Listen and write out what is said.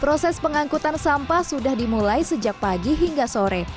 proses pengangkutan sampah sudah dimulai sejak pagi hingga sore